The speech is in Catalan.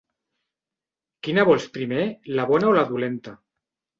Quina vols primer, la bona o la dolenta?